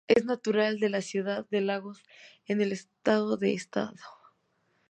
Es natural de la ciudad de Lagos en el estado de Edo.